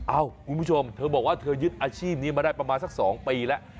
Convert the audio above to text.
คุณผู้ชมเธอบอกว่าเธอยึดอาชีพนี้มาได้ประมาณสัก๒ปีแล้ว